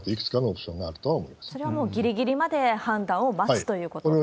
それはもうぎりぎりまで判断を待つということですね。